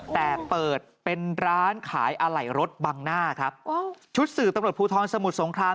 แต่เปิดเป็นร้านขายอะไหล่รถบังหน้าครับชุดสื่อตำรวจภูทรสมุทรสงคราม